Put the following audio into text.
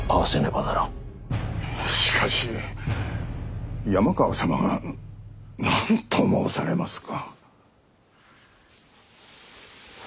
しかし山川様が何と申されますか。